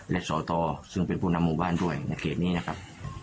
และสตซึ่งเป็นผู้นำหมู่บ้านด้วยในเขตนี้นะครับ